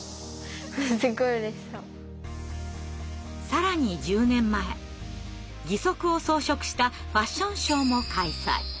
更に１０年前義足を装飾したファッションショーも開催。